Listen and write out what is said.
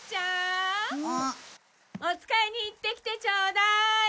おつかいに行ってきてちょうだい！